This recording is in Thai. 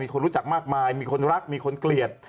คนรู้จักมากมายมีคนรักมีคนเกลียด